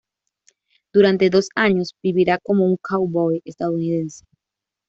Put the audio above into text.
Durante dos años vivirá como un cowboy estadounidense.